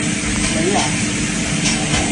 你呀?